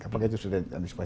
apakah itu sudah disesuaikan